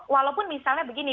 walaupun misalnya begini